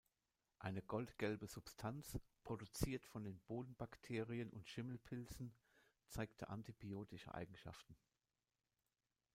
Eine goldgelbe Substanz, produziert von den Bodenbakterien und Schimmelpilzen, zeigte antibiotische Eigenschaften.